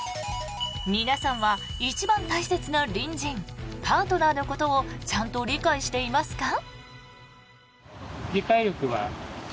皆さんは一番大切な隣人パートナーのことをちゃんと理解していますか？